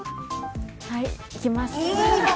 はい行きます。